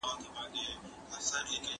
بد باڼجڼ افت نه وهي.